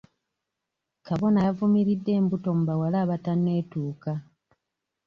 Kabona yavumiridde embuto mu bawala abatanetuuka.